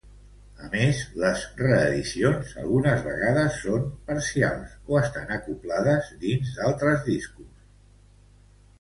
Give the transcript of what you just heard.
A més les reedicions, algunes vegades són parcials o estan acoblades dins d'altres discos.